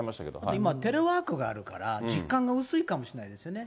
今、テレワークがあるから、実感が薄いかもしれないですね。